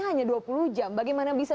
hanya dua puluh jam bagaimana bisa